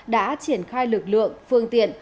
đã triển khai lực lượng phương tiện